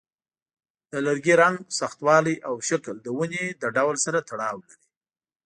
د لرګي رنګ، سختوالی، او شکل د ونې له ډول سره تړاو لري.